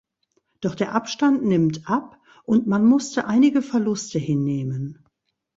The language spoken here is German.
Doch der Abstand nimmt ab und man musste einige Verluste hinnehmen.